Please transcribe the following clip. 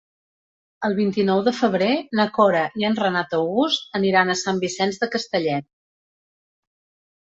El vint-i-nou de febrer na Cora i en Renat August aniran a Sant Vicenç de Castellet.